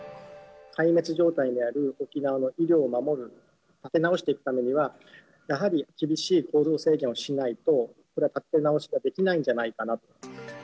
壊滅状態である沖縄の医療を守る、立て直していくためには、やはり厳しい行動制限をしないと、これは立て直しができないんじゃないかな。